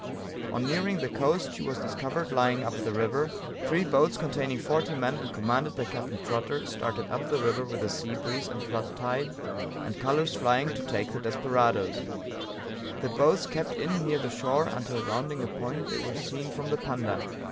On nearing the coast, she was discovered lying up the river; three boats containing forty men and commanded by Capt. Trotter, started up the river with the sea breeze and flood tide, and colors flying to take the desperadoes; the boats kept in near the shore until rounding a point they were seen from the Panda.